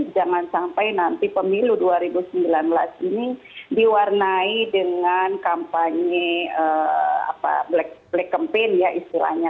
jangan sampai nanti pemilu dua ribu sembilan belas ini diwarnai dengan kampanye black campaign ya istilahnya